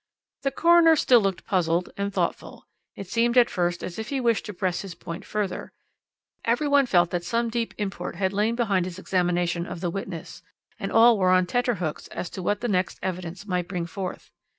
"The coroner still looked puzzled and thoughtful. It seemed at first as if he wished to press his point further; every one felt that some deep import had lain behind his examination of the witness, and all were on tenter hooks as to what the next evidence might bring forth.